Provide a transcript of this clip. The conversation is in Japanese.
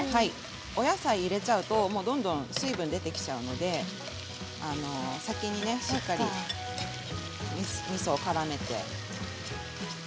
お野菜を入れるとどんどん水分が出てきてしまうのでしっかりとみそをからめて。